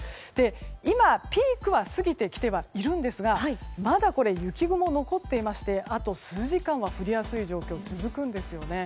今、ピークは過ぎてきてはいますがまだ雪雲が残っていてあと数時間は降りやすい状況続くんですよね。